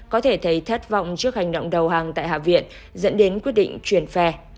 có thể thấy thất vọng trước hành động đầu hàng tại hạ viện dẫn đến quyết định chuyển phe